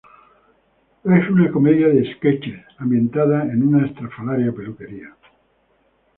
Es una comedia de "sketches" ambientada en una estrafalaria peluquería.